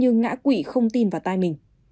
ngã quỷ không tin vào tai mình